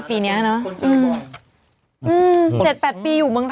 ปีเน